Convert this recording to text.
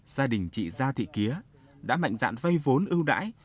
gia đình chị giàng thị kía đã mạnh dạn vây vốn ưu đãi